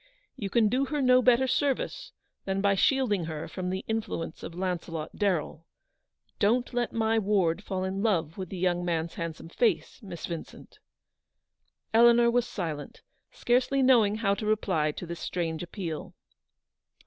You can do her no better service than by shield ing her from the influence of Launcelot Darrell. Don't let my ward fall in love with the young mans handsome face, Miss Vincent !" Eleanor was silent, scarcely knowing how to reply to this strange appeal.